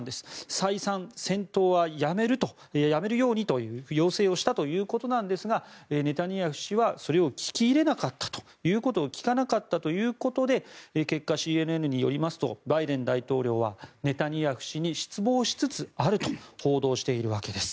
再三、戦闘はやめるようにという要請をしたということですがネタニヤフ氏はそれを聞き入れなかったと言うことを聞かなかったということで結果、ＣＮＮによりますとバイデン大統領はネタニヤフ氏に失望しつつあると報道しているわけです。